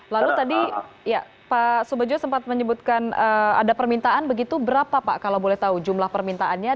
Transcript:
lalu tadi ya pak subejo sempat menyebutkan ada permintaan begitu berapa pak kalau boleh tahu jumlah permintaannya